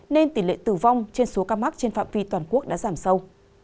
nên tỷ lệ tử vong trên số ca mắc trên phạm vi toàn quốc đã giảm sâu